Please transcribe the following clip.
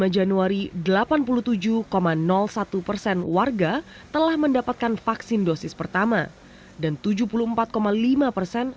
dua puluh januari delapan puluh tujuh satu persen warga telah mendapatkan vaksin dosis pertama dan tujuh puluh empat lima persen